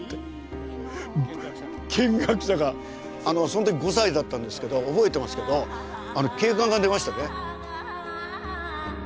その時５歳だったんですけど覚えてますけど警官が出ましたね。